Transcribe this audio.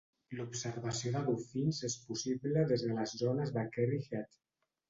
L'observació de dofins és possible des de les zones de Kerry Head.